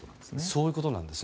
そういうことなんです。